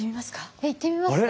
えっいってみますか？